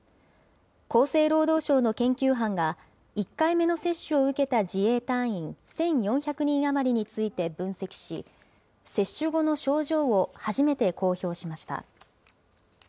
厚生労働省の研究班が、１回目の接種を受けた自衛隊員１４００人余りについて分析し、接種後の症状を初めて公表しました。